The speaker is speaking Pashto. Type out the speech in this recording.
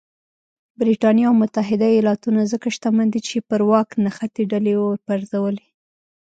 برېټانیا او متحده ایالتونه ځکه شتمن دي چې پر واک نښتې ډلې وپرځولې.